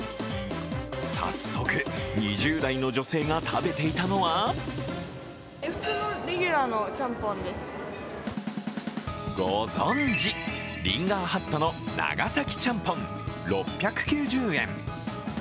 早速、２０代の女性が食べていたのはご存じ、リンガーハットの長崎ちゃんぽん、６９０円。